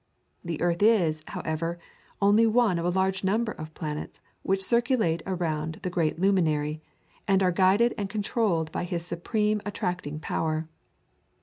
The earth is, however, only one of a large number of planets which circulate around the great luminary, and are guided and controlled by his supreme attracting power.